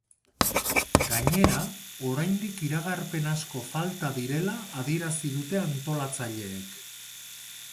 Gainera, oraindik iragarpen asko falta direla adierazi dute antolatzaileek.